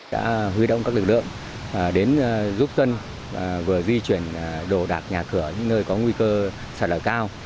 đã huy động các lực lượng đến giúp dân vừa di chuyển đồ đạc nhà cửa những nơi có nguy cơ sạt lở cao